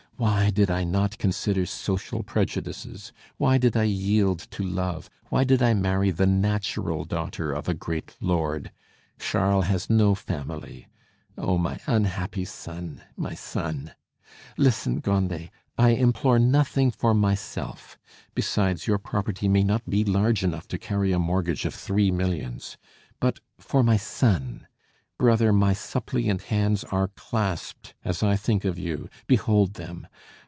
Why did I not consider social prejudices? Why did I yield to love? Why did I marry the natural daughter of a great lord? Charles has no family. Oh, my unhappy son! my son! Listen, Grandet! I implore nothing for myself, besides, your property may not be large enough to carry a mortgage of three millions, but for my son! Brother, my suppliant hands are clasped as I think of you; behold them!